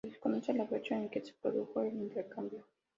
Se desconoce la fecha en que se produjo el intercambio.